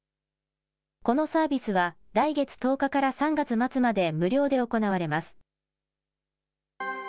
このサービスは、来月１０日から３月末まで無料で行われます。